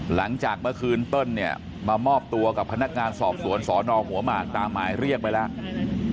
หลังจากเมื่อคืนเติ้ลเนี่ยมามอบตัวกับพนักงานสอบสวนสอนอหัวหมากตามหมายเรียกไปแล้ว